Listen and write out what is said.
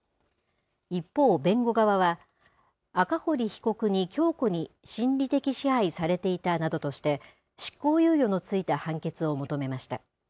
一方、弁護側は、赤堀被告に強固に心理的支配されていたなどとして、執行猶予のついた判決を求めました。